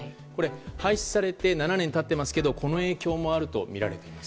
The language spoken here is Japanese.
廃止されて７年経っていますがこの影響もあるとみられています。